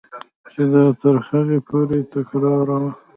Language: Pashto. چې دا تر هغې پورې تکراروه.